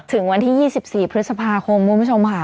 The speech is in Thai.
ถึงวันที่๒๔พฤษภาคมคุณผู้ชมค่ะ